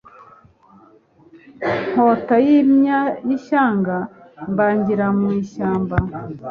Nkota y' ishyanga mbangira mu ishyamba.